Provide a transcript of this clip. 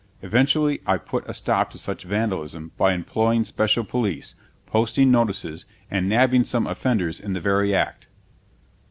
Eventually I put a stop to such vandalism by employing special police, posting notices, and nabbing some offenders in the very act.